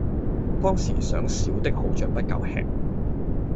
當時想小的好像不夠吃